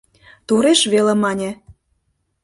Тореш веле мане: